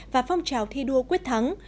và phong trào thi đua quyết thắng